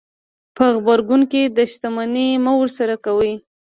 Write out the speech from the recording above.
په غبرګون کې دښمني مه ورسره کوئ.